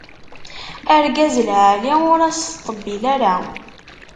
Argaz lɛali ur as-teṭṭebbil ara.